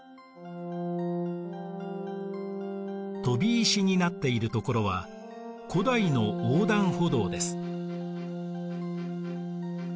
飛び石になっているところは古代の横断歩道です。